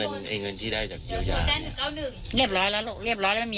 ได้ได้ไหม